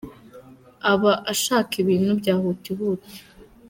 Aba ashaka ibintu bya huti huti.